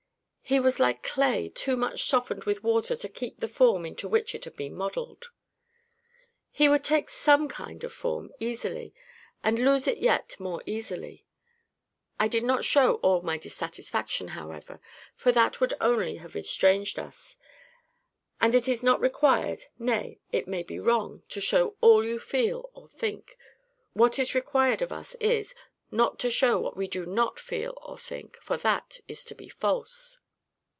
He was like clay too much softened with water to keep the form into which it has been modelled. He would take SOME kind of form easily, and lose it yet more easily. I did not show all my dissatisfaction, however, for that would only have estranged us; and it is not required, nay, it may be wrong, to show all you feel or think: what is required of us is, not to show what we do not feel or think; for that is to be false.